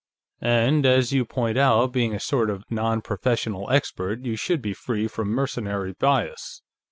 "And as you point out, being a sort of non professional expert, you should be free from mercenary bias."